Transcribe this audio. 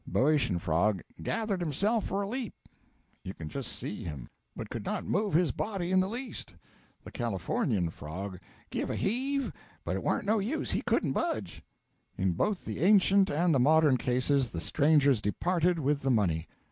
The Boeotian frog 'gathered himself for a leap' (you can just see him!), but 'could not move his body in the least'; the Californian frog 'give a heave, but it warn't no use he couldn't budge.' In both the ancient and the modern cases the strangers departed with the money.